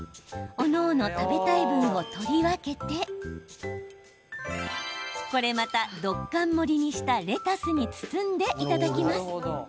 おのおの食べたい分を取り分けてこれまたドッカン盛りにしたレタスに包んでいただきます。